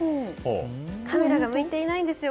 カメラが向いていないんですよ